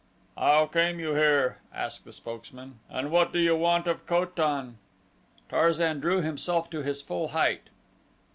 "How come you here," asked the spokesman, "and what do you want of Ko tan?" Tarzan drew himself to his full height.